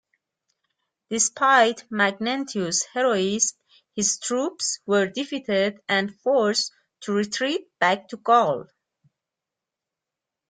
Despite Magnentius' heroism, his troops were defeated and forced to retreat back to Gaul.